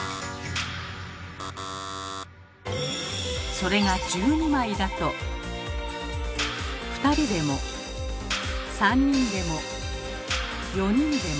それが１２枚だと２人でも３人でも４人でも。